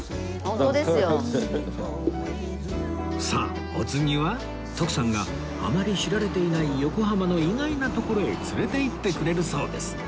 さあお次は徳さんがあまり知られていない横浜の意外な所へ連れて行ってくれるそうです